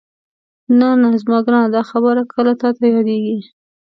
نه نه زما ګرانه دا خبرې کله تاته یادېږي؟